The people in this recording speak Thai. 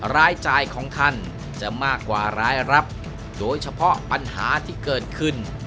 รายจ่ายของท่านจะมากกว่ารายรับโดยเฉพาะปัญหาที่เกิดขึ้น